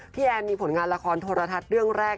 แอนมีผลงานละครโทรทัศน์เรื่องแรก